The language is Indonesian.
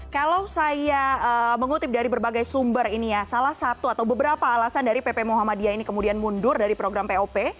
kalau saya mengutip dari berbagai sumber ini ya salah satu atau beberapa alasan dari pp muhammadiyah ini kemudian mundur dari program pop